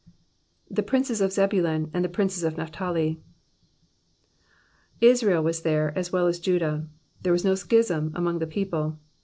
The princes of Zehulum, and the princes of Naphtali,'''* Israel was there, as well as Judah ; there was no schism among the people.